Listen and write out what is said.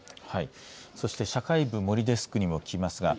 そして社会部、森デスクにも聞きます。